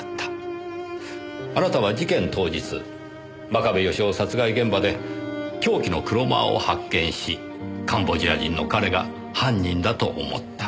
あなたは事件当日真壁義雄殺害現場で凶器のクロマーを発見しカンボジア人の彼が犯人だと思った。